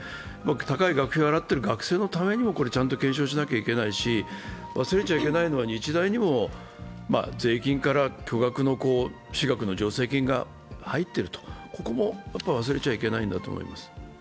高い学費を払っている学生のためにも検証しないといけないし、忘れちゃいけないのは、日大にも税金から巨額の私学の助成金が入っている、ここも忘れちゃいけないんだと思います。